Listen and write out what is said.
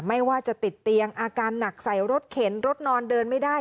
ไม่ว่าจะติดเตียงอาการหนักใส่รถเข็นรถนอนเดินไม่ได้